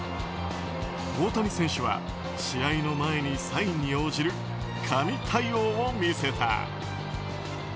大谷選手は試合の前にサインに応じる神対応を見せた。